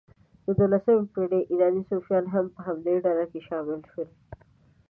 د دوولسمې پېړۍ ایراني صوفیان هم په همدې ډلې کې شامل شول.